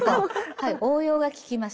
はい応用が利きます。